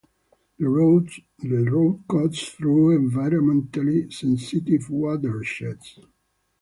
The road cuts through environmentally sensitive watersheds.